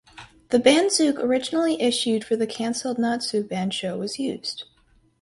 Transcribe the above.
The banzuke originally issued for the cancelled Natsu basho was used.